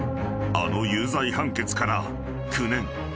［あの有罪判決から９年］